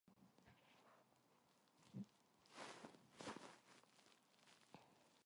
야, 대출 더 받아서 집 사, 사, 그냥!